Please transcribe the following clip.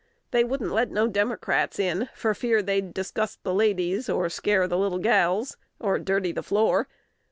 They wouldn't let no Democrats in, for fear they'd disgust the ladies, or scare the little gals, or dirty the floor.